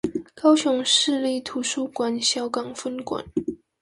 高雄市立圖書館小港分館